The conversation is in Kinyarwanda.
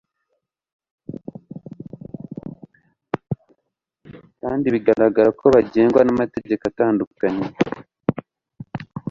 kandi bigaragara ko bagengwa n'amategeko atandukanye